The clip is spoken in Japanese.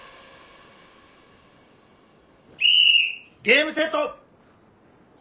ゲームセット！